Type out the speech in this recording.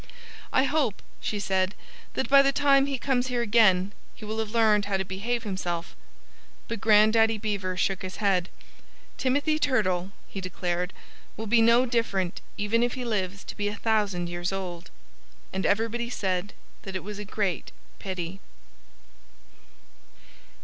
"I hope," she said, "that by the time he comes here again he will have learned how to behave himself." But Grandaddy Beaver shook his head. "Timothy Turtle," he declared, "will be no different even if he lives to be a thousand years old." And everybody said that it was a great pity.